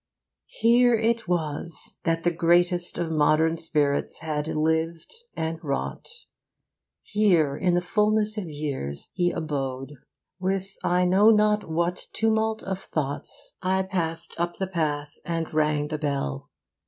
'Here it was that the greatest of modern spirits had lived and wrought. Here in the fullness of years he abode. With I know not what tumult of thoughts I passed up the path and rang the bell.